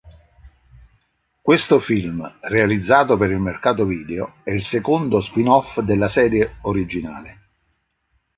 Questo film, realizzato per il mercato video, è il secondo spin-off della serie originale.